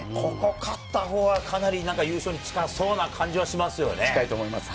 勝った方が優勝に近そうな感じがしますよね。